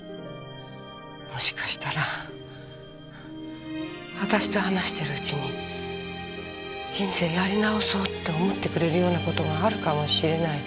もしかしたら私と話してるうちに人生やり直そうって思ってくれるような事があるかもしれない。